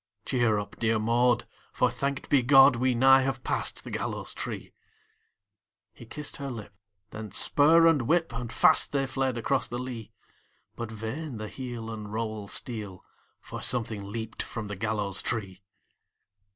"Cheer up, dear Maud, for, thanked be God, We nigh have passed the gallows tree!" He kissed her lip; then spur and whip! And fast they fled across the lea! But vain the heel and rowel steel, For something leaped from the gallows tree!